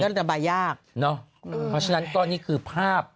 ก็ระบายยาก